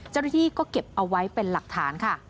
เจ้าหน้าที่ก็เก็บเอาไว้เป็นหลักฐานค่ะ